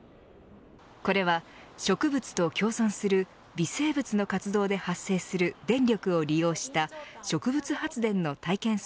これは植物と共存する微生物の活動で発生する電力を利用した植物発電の体験